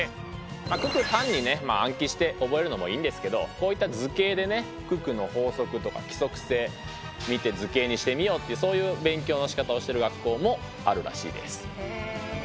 九九単にね暗記して覚えるのもいいんですけどこういった図形でね九九の法則とか規則性見て図形にしてみようっていうそういう勉強のしかたをしてる学校もあるらしいです。